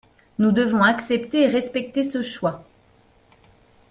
Nous devons accepter et respecter ce choix.